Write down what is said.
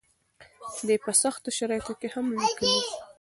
دی په سختو شرایطو کې هم لیکي.